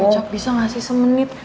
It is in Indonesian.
oke cok bisa ga sih semenit